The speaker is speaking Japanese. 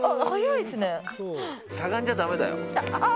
しゃがんじゃだめだよ。